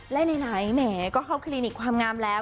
และไหนแหมก็เข้าคลินิกความงามแล้ว